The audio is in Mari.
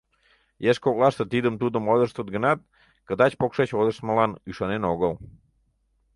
Еш коклаште тидым-тудым ойлыштыт гынат, кыдач-покшеч ойлыштмылан ӱшанен огыл.